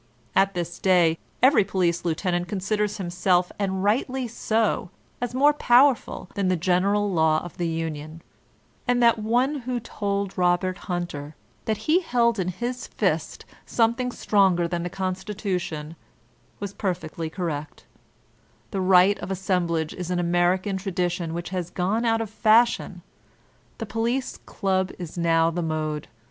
At this day, every police lieutenant considers himself, and rightly so, as more powerful than the General Law of the Union; and that one who toM Robert Hunter that he held in his fist something stronger than the Constitution, was perfectly correct The right of assemblage is an American tradition which has gone out of fashion; the police club is now the mode.